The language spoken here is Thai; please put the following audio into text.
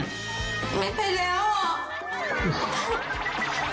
ไม่ไปแล้ว